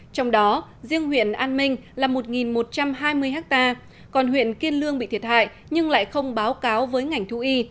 trong đó riêng huyện an minh là một một trăm hai mươi ha còn huyện kiên lương bị thiệt hại nhưng lại không báo cáo với ngành thú y